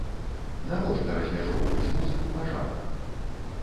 Навошта размяжоўваць музыку па жанрах.